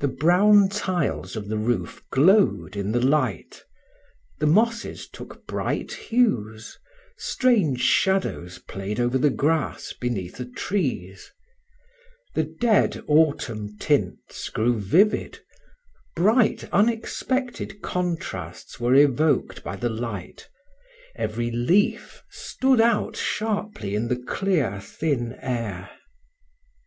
The brown tiles of the roof glowed in the light, the mosses took bright hues, strange shadows played over the grass beneath the trees; the dead autumn tints grew vivid, bright unexpected contrasts were evoked by the light, every leaf stood out sharply in the clear, thin air.